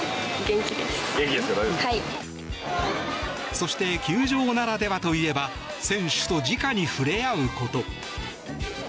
そして球場ならではといえば選手と、じかに触れ合うこと。